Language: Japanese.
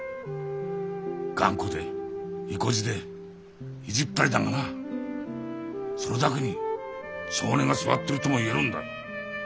頑固でいこじで意地っ張りだがなそれだけに性根が据わってるとも言えるんだ。